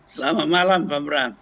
selamat malam pak amar